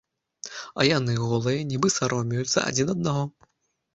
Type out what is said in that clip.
А яны голыя, нібы саромеюцца адзін аднаго.